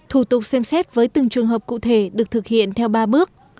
thủ tục xem xét với từng trường hợp cụ thể được thực hiện theo ba bước